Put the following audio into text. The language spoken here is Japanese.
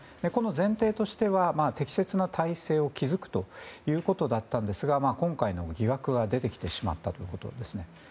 この前提としては適切な体制を築くということでしたが今回の疑惑が出てきてしまったということです。